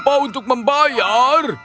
kau lupa untuk membayar